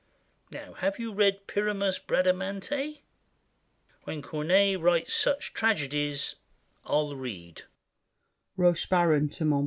Now have you read Pyramus, Bradamante? When Corneille writes such tragedies, I'll read!